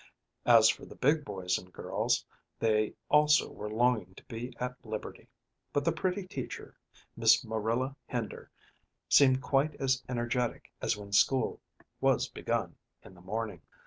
As for the big boys and girls, they also were longing to be at liberty, but the pretty teacher, Miss Marilla Hender, seemed quite as energetic as when school was begun in the morning.